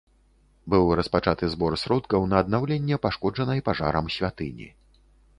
Быў распачаты збор сродкаў на аднаўленне пашкоджанай пажарам святыні.